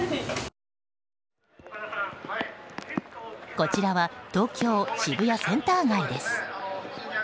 こちらは東京・渋谷センター街です。